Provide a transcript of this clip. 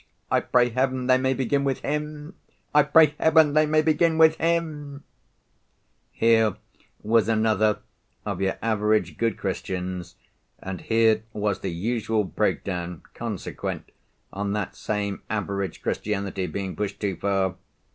I pray Heaven they may begin with him. I pray Heaven they may begin with him." Here was another of your average good Christians, and here was the usual break down, consequent on that same average Christianity being pushed too far!